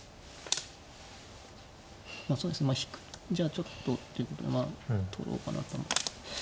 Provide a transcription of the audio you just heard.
まあそうですね引くんじゃちょっとっていうことでまあ取ろうかなと。